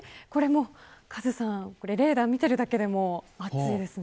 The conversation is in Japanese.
カズさん、レーダーを見てるだけで暑いですね。